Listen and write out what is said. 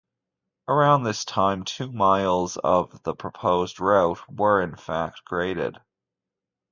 Around this time, two miles of the proposed route were in fact graded.